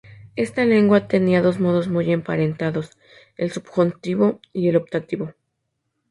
Esta lengua tenía dos modos muy emparentados: el subjuntivo y el optativo.